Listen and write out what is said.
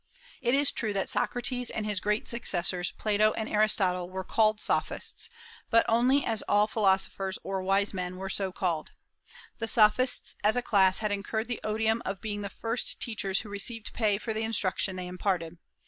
It is true that Socrates and his great successors Plato and Aristotle were called "Sophists," but only as all philosophers or wise men were so called. The Sophists as a class had incurred the odium of being the first teachers who received pay for the instruction they imparted.